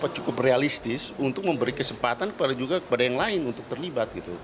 cukup realistis untuk memberi kesempatan juga kepada yang lain untuk terlibat